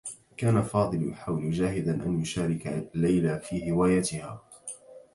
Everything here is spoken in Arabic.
كان فاضل يحاول جاهدا أن يشارك ليلى في هواياتها.